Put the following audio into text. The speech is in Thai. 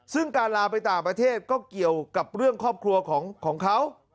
ซึ่งการลาไปต่างประเทศก็เกี่ยวกับเรื่องครอบครัวของเขา